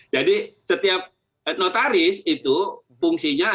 jadi setiap notaris itu fungsinya ada